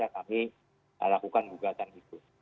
kita lakukan gugatan itu